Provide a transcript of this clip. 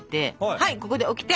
はいここでオキテ！